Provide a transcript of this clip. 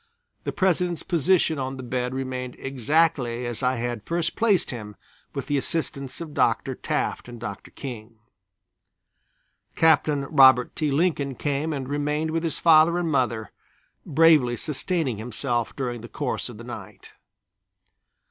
The President's position on the bed remained exactly as I had first placed him with the assistance of Dr. Taft and Dr. King. Captain Robert T. Lincoln came and remained with his father and mother, bravely sustaining himself during the course of the night.